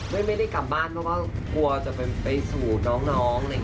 ก็ไม่ได้กลับบ้านเพราะว่ากลัวจะไปสู่น้อง